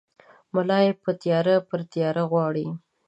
ملا ېې په تیاره کې پر تیاره غواړي!